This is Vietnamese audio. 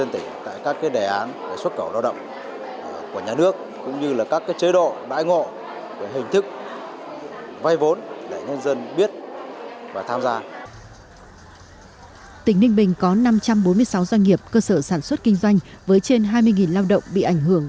tỉnh ninh bình có năm trăm bốn mươi sáu doanh nghiệp cơ sở sản xuất kinh doanh với trên hai mươi lao động bị ảnh hưởng